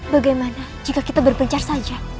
bagaimana jika kita berpencar saja